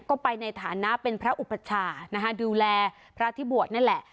ก็ไปในฐานะเป็นพระอุปชานะคะดูแลพระที่บวชนั่นแหละ